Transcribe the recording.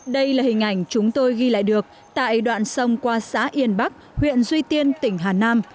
đây là hình ảnh chúng tôi ghi lại được tại đoạn sông qua xã yên bắc huyện duy tiên tỉnh hà nam